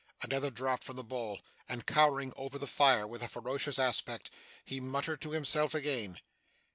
Another draught from the bowl; and, cowering over the fire with a ferocious aspect, he muttered to himself again.